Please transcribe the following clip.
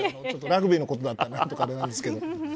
ラグビーのことだったら何とかあれなんですけど。